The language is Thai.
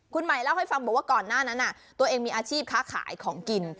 คุณหมายเล่าให้ฟังบอกว่าก่อนหน้านั้นตัวเองมีอาชีพค้าขายของกิน